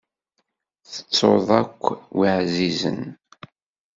Tettuḍ akk wid ɛzizen.